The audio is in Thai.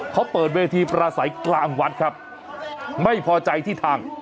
เขาเปิดเวทีประสัยกลางวัดครับไม่พอใจที่ทาง